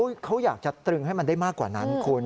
เขาอยากจะตรึงให้มันได้มากกว่านั้นคุณ